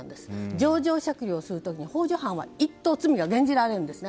情状酌量をする時幇助犯は罪が減じられるんですね。